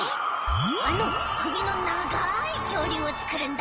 あのくびのながいきょうりゅうをつくるんだ！